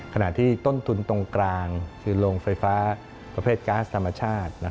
ขณะที่ต้นทุนตรงกลางคือโรงไฟฟ้าประเภทก๊าซธรรมชาติ